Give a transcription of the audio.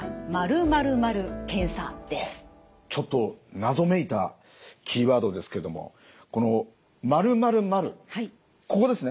ちょっと謎めいたキーワードですけどもこの○○○ここですね？